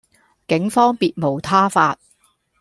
警方別無他法